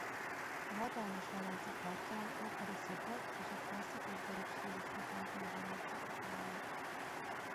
A hatalmas medence partján ókori szobrok és egy klasszikus görög stílusú templom homlokzata áll.